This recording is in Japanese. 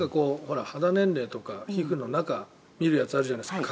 肌年齢とか皮膚の中を見るやつがあるじゃないですか。